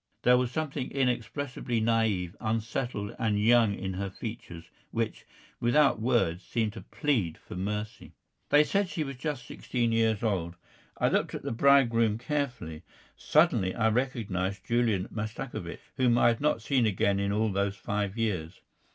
There was something inexpressibly na├»ve, unsettled and young in her features, which, without words, seemed to plead for mercy. They said she was just sixteen years old. I looked at the bridegroom carefully. Suddenly I recognised Julian Mastakovich, whom I had not seen again in all those five years.